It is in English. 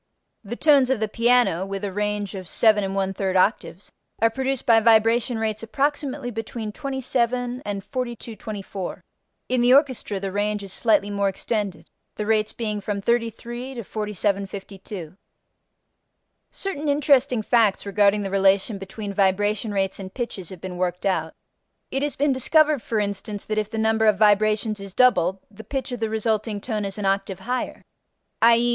The tones of the piano (with a range of 7 1/3 octaves) are produced by vibration rates approximately between 27 and 4224. In the orchestra the range is slightly more extended, the rates being from 33 to 4752. Certain interesting facts regarding the relation between vibration rates and pitches have been worked out: it has been discovered for instance that if the number of vibrations is doubled, the pitch of the resulting tone is an octave higher; _i.e.